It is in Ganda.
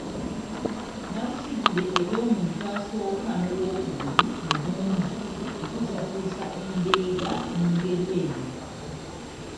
Nnabusigire ey’omuntu asooka n’ow’okubiri mu bungi ekyusakyusa endeega mu ngeri eno: